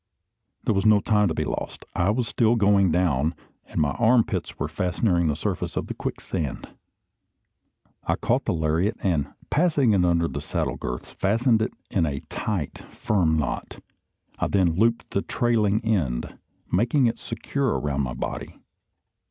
There was no time to be lost. I was still going down; and my armpits were fast nearing the surface of the quicksand. I caught the lariat, and, passing it under the saddle girths, fastened it in a tight, firm knot. I then looped the trailing end, making it secure around my body.